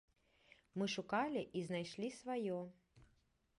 Мы шукалі і знайшлі сваё.